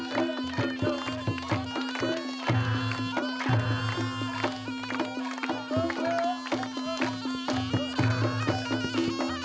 ya tuhan enak benar